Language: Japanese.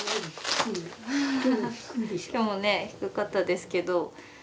今日もね低かったですけど。